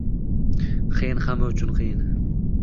qiyin Hamma uchun qiyin